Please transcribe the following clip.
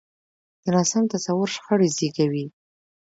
دا ناسم تصور شخړې زېږوي.